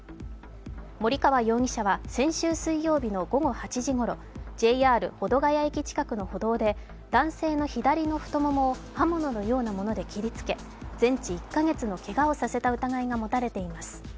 森川容疑者は先週水曜日の午後８時ごろ、ＪＲ保土ケ谷駅近くの歩道で男性の左の太ももを刃物のようなもので切りつけ全治１か月のけがをさせた疑いが持たれています。